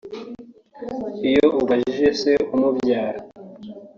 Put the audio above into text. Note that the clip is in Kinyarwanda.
Iyo ubajije se umubyara